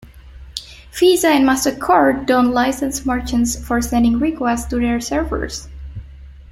Visa and MasterCard don't license merchants for sending requests to their servers.